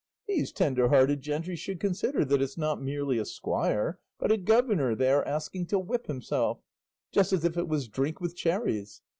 These tender hearted gentry should consider that it's not merely a squire, but a governor they are asking to whip himself; just as if it was 'drink with cherries.